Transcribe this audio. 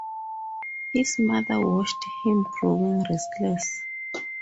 His mother watched him growing restless.